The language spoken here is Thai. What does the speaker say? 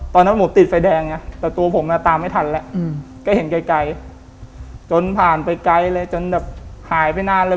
ตอนนั้นผมติดไฟแดงไงแต่ตัวผมน่ะตามไม่ทันแล้วก็เห็นไกลจนผ่านไปไกลเลยจนแบบหายไปนานเลย